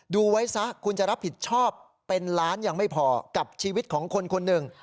ดูไว้ซะคุณจะรับผิดชอบเป็นล้านยังไม่พอกับชีวิตของคนคนหนึ่ง